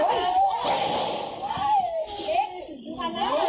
เล็กมึกของน้ำค่ะ